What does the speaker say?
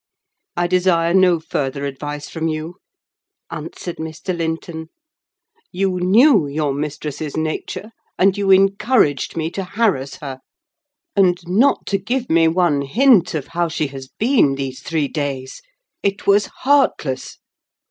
"I desire no further advice from you," answered Mr. Linton. "You knew your mistress's nature, and you encouraged me to harass her. And not to give me one hint of how she has been these three days! It was heartless!